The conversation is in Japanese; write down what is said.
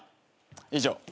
以上。